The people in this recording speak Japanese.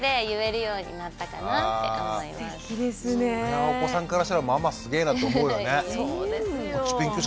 お子さんからしたらママすげえなと思うよね。